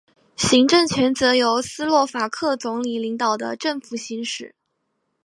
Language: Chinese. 行政权则由斯洛伐克总理领导的政府行使。